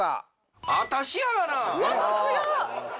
さすが！